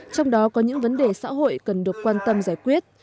trong đó có những vấn đề xã hội cần được quan tâm giải quyết